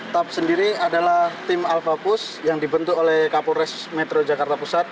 tap sendiri adalah tim alvakus yang dibentuk oleh kapolres metro jakarta pusat